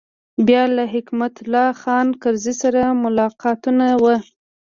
بیا له حکمت الله خان کرزي سره ملاقاتونه و.